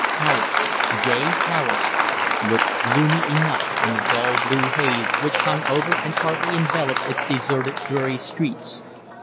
Paris gay Paris looked gloomy enough in the dull blue haze which hung over and partly enveloped its deserted, dreary streets.